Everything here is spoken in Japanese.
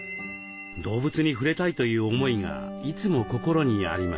動物にふれたいという思いがいつも心にありました。